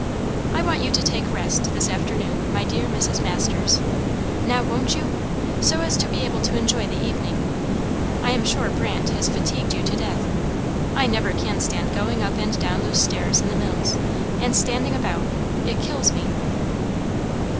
I want you to take rest this afternoon, my dear Mrs. Masters now won't you! so as to be able to enjoy the evening. I am sure Brandt has fatigued you to death. I never can stand going up and down those stairs in the mills, and standing about; it kills me."